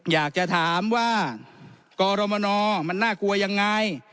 อยากจะถามว่ากรมนมันน่ากลัวยังไง